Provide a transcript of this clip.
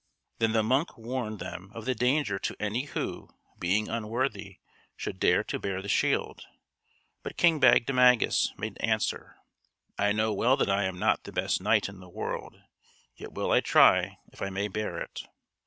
Then the monk warned them of the danger to any who, being unworthy, should dare to bear the shield. But King Bagdemagus made answer: "I know well that I am not the best knight in the world, yet will I try if I may bear it."